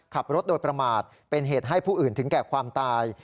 ขับรถโดยประมาทเป็นเหตุให้ผู้อื่นถึงแก่ความตาย